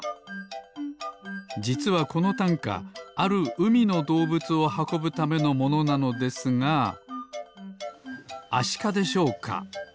じつはこのたんかあるうみのどうぶつをはこぶためのものなのですがアシカでしょうか？